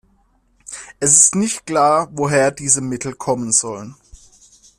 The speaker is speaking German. Es ist nicht klar, woher diese Mittel kommen sollen.